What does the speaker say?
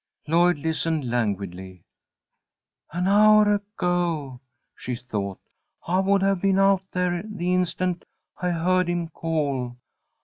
Lloyd listened, languidly. "An hour ago," she thought, "I would have been out there the instant I heard him call.